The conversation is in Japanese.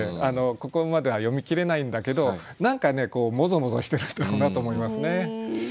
ここまでは読みきれないんだけど何かモゾモゾしてるんだろうなと思いますね。